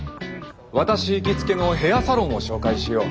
私行きつけのへあさろんを紹介しよう。